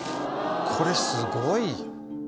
これすごい。